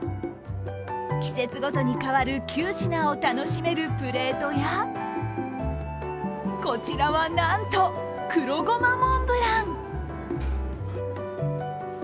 季節ごとに変わる９品を楽しめるプレートや、こちらはなんと、黒ごまモンブラン。